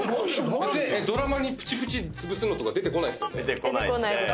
ドラマにプチプチつぶすのとか出てこないっすよね。